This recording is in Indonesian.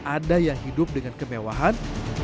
ada yang hidup dengan kemewahan